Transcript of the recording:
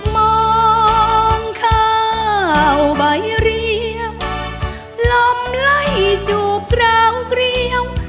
มองข้าวใบเรียงล้มไล่จูบกราวเกรียว